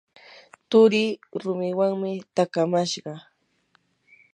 turii rumiwanmi takamashqa.